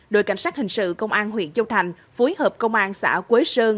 đội cảnh sát hình sự công an huyện châu thành phối hợp công an xã quế sơn